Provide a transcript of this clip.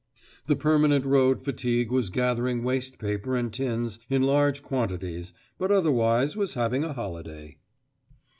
The permanent road fatigue was gathering waste paper and tins in large quantities, but otherwise was having a holiday.